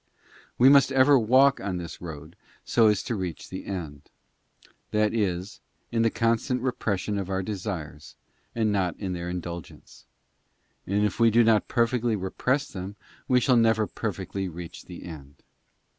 43 We must ever walk on this road so as to reach the end; that is, in the constant repression of our desires, and not in their indulgence: and if we do not perfectly repress them we shall never perfectly reach the end.